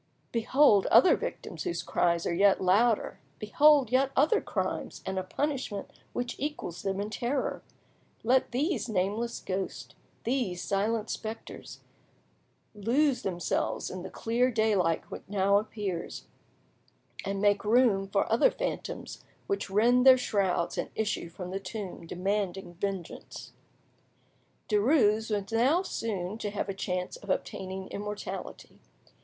Behold other victims whose cries are yet louder, behold yet other crimes and a punishment which equals them in terror! Let these nameless ghosts, these silent spectres, lose themselves in the clear daylight which now appears, and make room for other phantoms which rend their shrouds and issue from the tomb demanding vengeance. Derues was now soon to have a chance of obtaining immortality.